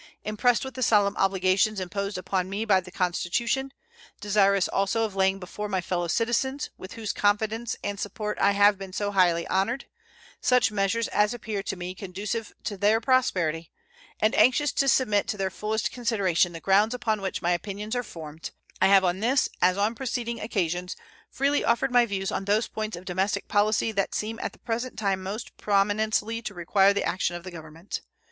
Impressed with the solemn obligations imposed upon me by the Constitution, desirous also of laying before my fellow citizens, with whose confidence and support I have been so highly honored, such measures as appear to me conducive to their prosperity, and anxious to submit to their fullest consideration the grounds upon which my opinions are formed, I have on this as on preceding occasions freely offered my views on those points of domestic policy that seem at the present time most prominently to require the action of the Government.